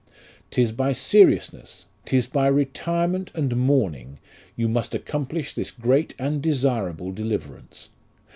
'Tis by seriousness, 'tis by retirement and mourning, you must accomplish this great and desirable deliverance.